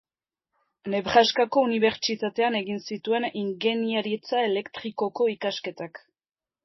Nebraskako Unibertsitatean egin zituen ingeniaritza elektrikoko ikasketak.